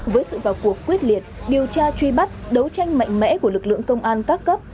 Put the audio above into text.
với sự vào cuộc quyết liệt điều tra truy bắt đấu tranh mạnh mẽ của lực lượng công an các cấp